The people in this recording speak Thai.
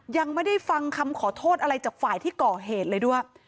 ยังไม่ได้ฟังคำขอโทษอะไรจากฝ่ายที่ก่อเหตุเลยด้วย